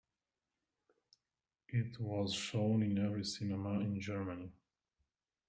It was shown in every cinema in Germany.